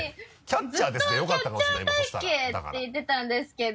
ずっとキャッチャー体形って言ってたんですけど。